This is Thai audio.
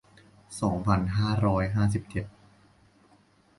สองพันห้าร้อยห้าสิบเจ็ด